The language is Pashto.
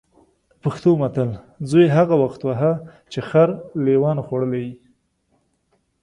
پښتو متل: زوی هغه وخت وهه چې خر لېوانو خوړلی وي.